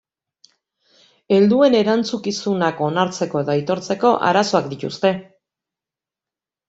Helduen erantzukizunak onartzeko edo aitortzeko arazoak dituzte.